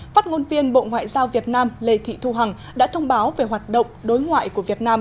phát ngôn viên bộ ngoại giao việt nam lê thị thu hằng đã thông báo về hoạt động đối ngoại của việt nam